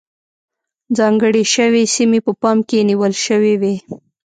ځانګړې شوې سیمې په پام کې نیول شوې وې.